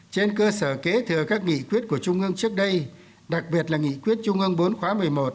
trên cơ sở kế thừa các nghị quyết của trung ương trước đây đặc biệt là nghị quyết trung ương bốn khóa một mươi một